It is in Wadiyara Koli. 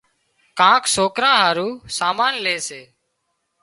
ڪانڪ سوڪريان هارو سامان لي سي